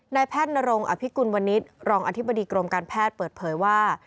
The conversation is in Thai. นายแพทย์นรงอภิกุลวันนี้รองอธิบดีกรมการแพทย์เปิดเผยว่า